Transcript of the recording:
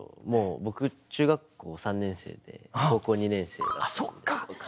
僕中学校３年生で高校２年生だったんで。